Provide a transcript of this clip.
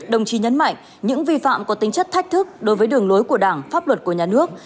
đồng chí nhấn mạnh những vi phạm có tính chất thách thức đối với đường lối của đảng pháp luật của nhà nước